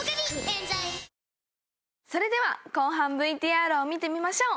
それでは後半ＶＴＲを見てみましょう。